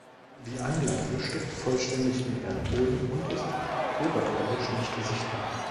Die Anlage steckt vollständig im Erdboden und ist oberirdisch nicht sichtbar.